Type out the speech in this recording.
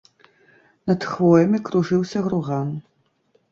Над хвоямі кружыўся груган.